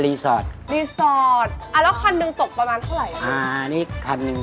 เป็นคนชอบรถมากจริง